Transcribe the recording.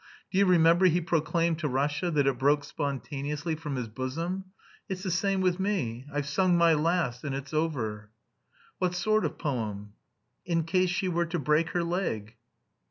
Do you remember he proclaimed to Russia that it broke spontaneously from his bosom? It's the same with me; I've sung my last and it's over." "What sort of poem?" "'In case she were to break her leg.'"